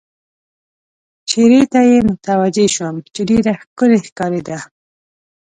چېرې ته یې متوجه شوم، چې ډېره ښکلې ښکارېده.